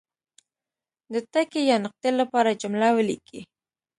د ټکي یا نقطې لپاره جمله ولیکي.